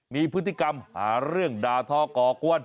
มีพฤติกรรมหาเรื่องด่าทอก่อกวน